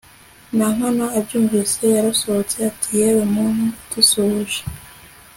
nankana abyumvise yarasohotse, ati «yewe muntu udusuhuje